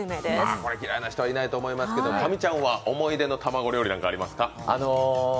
これ嫌いな人いないと思いますけど、神ちゃんは思い出の卵料理なんかありますか？